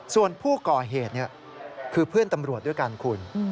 ส่วนผู้ก่อเหตุคือเพื่อนตำรวจด้วยกันคุณ